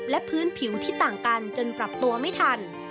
และพื้นผิวที่ต่างกันจนปรับตัวไม่ทัน